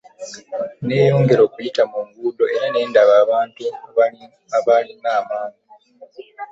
Nneeyongera okuyita mu nguudo era ne ndaba abantu abaalinga ku mangu.